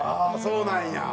そうなんや。